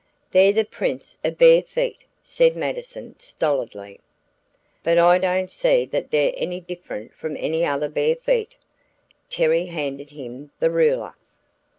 "They're the prints of bare feet," said Mattison, stolidly. "But I don't see that they're any different from any other bare feet." Terry handed him the ruler.